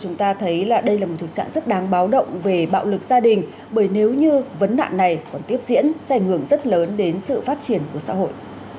chúng ta thấy đây là một thực trạng rất đáng báo động về bạo lực gia đình bởi nếu như vấn nạn này còn tiếp diễn sẽ ảnh hưởng rất lớn đến sự phát triển của xã hội